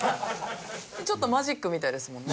ちょっとマジックみたいですもんね。